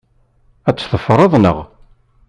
Ad t-teffreḍ, naɣ?